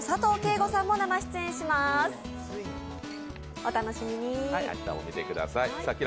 お楽しみに。